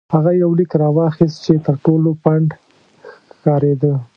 هغه یو لیک راواخیست چې تر ټولو پڼد ښکارېده.